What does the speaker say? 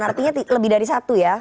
artinya lebih dari satu ya